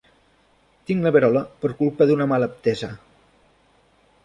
Tinc la verola per culpa d'una malaptesa.